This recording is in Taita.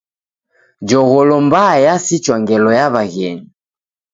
Jogholo mbaa yasichwa ngelo ya w'aghenyu.